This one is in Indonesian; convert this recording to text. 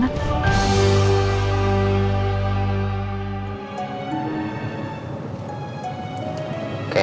mbak mbak yati